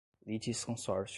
litisconsórcio